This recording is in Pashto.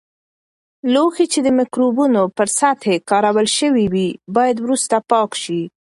لوښي چې د مکروبونو پر سطحې کارول شوي وي، باید وروسته پاک شي.